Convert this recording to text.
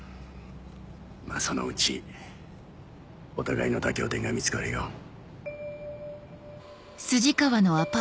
まぁそのうちお互いの妥協点が見つかるよ。